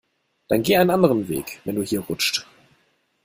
Dann geh einen anderen Weg, wenn du hier rutscht.